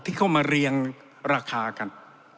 ที่เขามาเรียงราคากัน